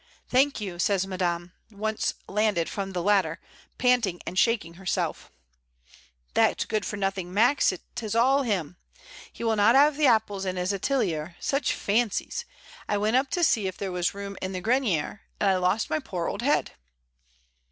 Thank you," says Madame, once landed from the ladder, panting and shaking her self. "That good for nothiug Max, it is all 'im. He will not 'ave the apples in his atelier — such fancies! I went up to see if there was room in the grenier, and I lost my poor old head."